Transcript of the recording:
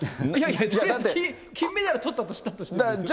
いやいや金メダルとったとしたら。